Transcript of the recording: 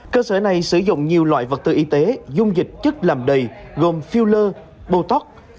cơ sở này sử dụng nhiều loại vật tư y tế dung dịch chất làm đầy gồm filler botox